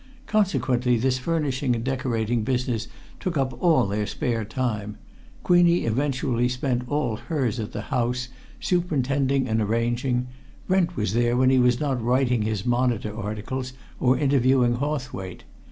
Consequently, this furnishing and decorating business took up all their spare time: Queenie eventually spent all hers at the house, superintending and arranging; Brent was there when he was not writing his Monitor articles or interviewing Hawthwaite.